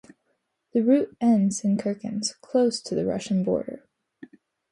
The route ends in Kirkenes close to the Russian border.